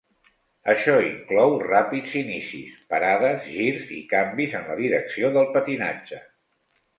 Això inclou ràpids inicis, parades, girs i canvis en la direcció del patinatge.